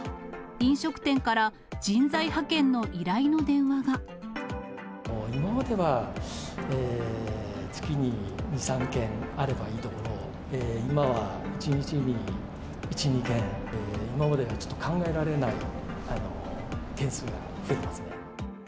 飲食店から人材派遣の依頼の今までは、月に２、３件あればいいところで、今は１日に１、２件、今まではちょっと考えられない件数で増えてますね。